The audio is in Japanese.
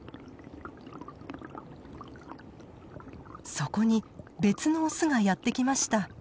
そこに別のオスがやって来ました。